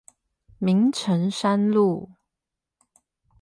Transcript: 明誠三路